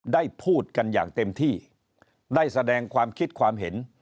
ได้พูดกันอย่างเต็มที่ได้แสดงความคิดความเห็น